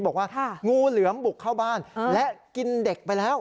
บอกว่างูเหลือมบุกเข้าบ้านและกินเด็กไปแล้ว